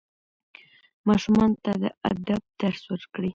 ماشومانو ته د ادب درس ورکړئ.